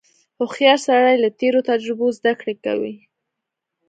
• هوښیار سړی له تېرو تجربو زدهکړه کوي.